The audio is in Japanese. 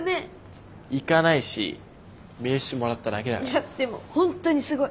いやでも本当にすごい。